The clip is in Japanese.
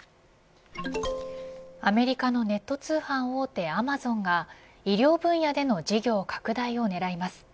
アメリカのネット通販大手アマゾンが医療分野での事業拡大を狙います。